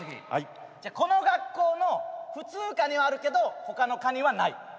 この学校の普通科にはあるけど他の科にはない。